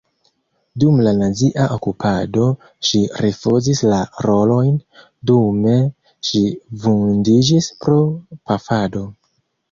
Dum la nazia okupado ŝi rifuzis la rolojn, dume ŝi vundiĝis pro pafado.